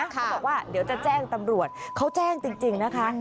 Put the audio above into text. เขาบอกว่าเดี๋ยวจะแจ้งตำรวจเขาแจ้งจริงนะคะ